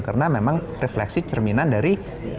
karena memang refleksi cerminan dari